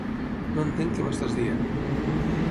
No entenc què m'estàs dient.